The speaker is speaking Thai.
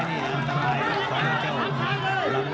มันเป็นลูกถนัดนะครับ